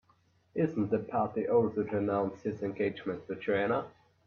Isn't the party also to announce his engagement to Joanna?